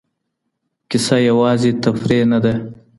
کیسه یوازې تفریح نه ده.